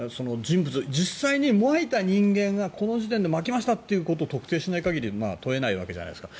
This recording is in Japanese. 実際にまいた人間がこの時点でまきましたということを特定しない限り問えないわけじゃないですか。